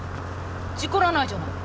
事故らないじゃない！